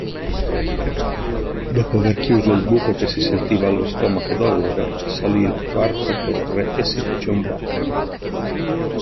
Dopo aver chiuso il buco che si sentiva allo stomaco da ore, salì la quarta torre e si fece un bagno.